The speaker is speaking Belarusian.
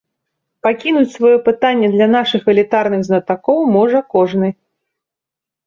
Пакінуць сваё пытанне для нашых элітарных знатакоў можа кожны.